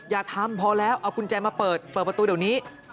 อย่าทำพอแล้วเอากุญแจมาเปิดเปิดประตูเดี๋ยวนี้